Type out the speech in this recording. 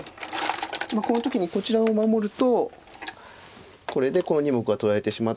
この時にこちらを守るとこれでこの２目は取られてしまう。